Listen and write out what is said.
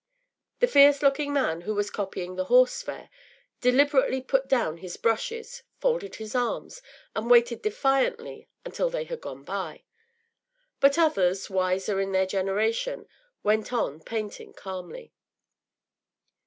The fierce looking man who was copying “The Horse Fair” deliberately put down his brushes, folded his arms, and waited defiantly until they had gone by; but others, wiser in their generation, went on painting calmly.